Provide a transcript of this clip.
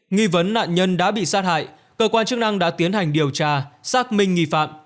nghi vấn nạn nhân đã bị sát hại cơ quan chức năng đã tiến hành điều tra xác minh nghi phạm